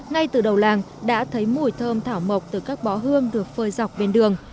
ngay từ đầu làng đã thấy mùi thơm thảo mộc từ các bó hương được phơi dọc bên đường